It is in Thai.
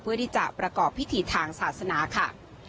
เพื่อที่จะประกอบพิธีทางศาสนาค่ะ